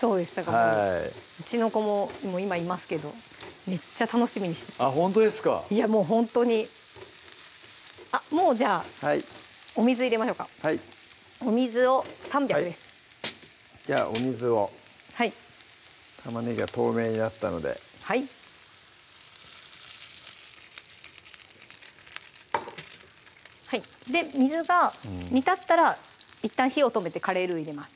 そうですうちの子も今いますけどめっちゃ楽しみにしててあっほんとですかいやもうほんとにもうじゃあお水入れましょうかはいお水を３００ですじゃあお水を玉ねぎが透明になったのではいで水が煮立ったらいったん火を止めてカレールウ入れます